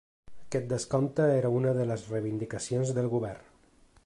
Aquest descompte era una de les reivindicacions del govern.